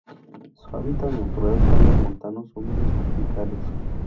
Su hábitat natural son los montanos húmedos tropicales.